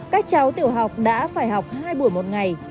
các cháu tiểu học đã phải học hai buổi một ngày